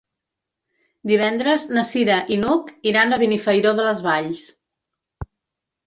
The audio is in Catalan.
Divendres na Cira i n'Hug iran a Benifairó de les Valls.